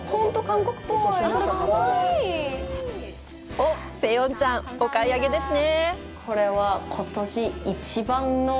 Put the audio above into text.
おっ、セヨンちゃん、お買い上げですね！